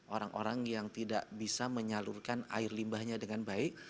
orang orang yang tidak bisa menyalurkan air limbahnya dengan baik